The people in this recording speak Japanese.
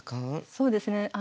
そうですね